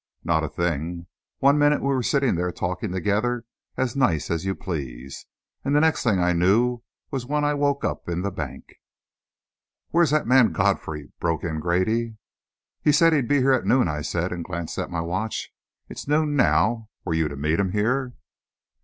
"Not a thing. One minute we were sitting there talking together as nice as you please and the next thing I knew was when I woke up in the bank." "Where's that man Godfrey?" broke in Grady. "He said he'd be here at noon," I said, and glanced at my watch. "It's noon now. Were you to meet him here?"